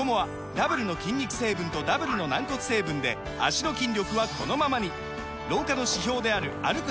ダブルの筋肉成分とダブルの軟骨成分で脚の筋力はこのままに老化の指標である歩く